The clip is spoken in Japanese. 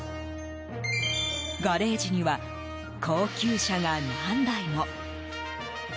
ガレージには高級車が何台も。